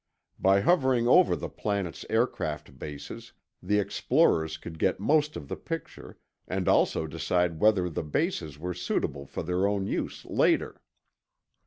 By hovering over the planet's aircraft bases, the explorers could get most of the picture, and also decide whether the bases were suitable for their own use later.